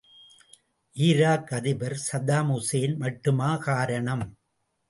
Iraq அதிபர் Saddam Hussein மட்டுமா காரணம்?